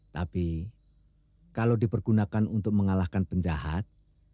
tapi kalau dipergunakan untuk mengalahkan penjahat